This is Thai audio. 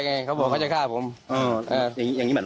น้องเขาก็อยากโทรหาผมมา